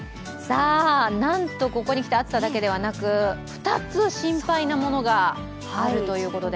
なんとここにきて暑さだけでなく２つ心配なものがあるということで。